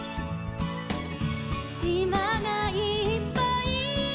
「しまがいっぱい」